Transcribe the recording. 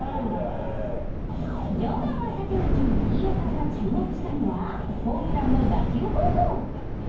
冗談はさておき飯尾さんが注目したのはホームランの打球方向